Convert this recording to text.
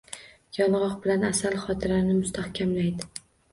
Yong‘oq bilan asal xotirani mustahkamlaydi.